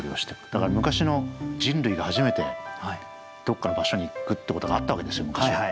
だから昔の人類が初めてどっかの場所に行くってことがあったわけですよ昔は。